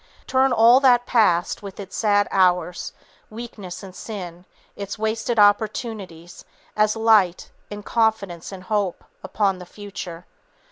Turn all that past, with its sad hours, weakness and sin, its wasted opportunities as light; in confidence and hope, upon the future.